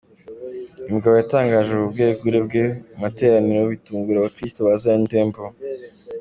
Uyu mugabo yatangaje ubu bwegure bwe mu materaniro , bitungura Abakristu ba Zion Temple.